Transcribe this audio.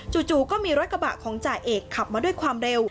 จู่ก็มีรถกระบะของจ่าเอกขับมาด้วยความเร็ว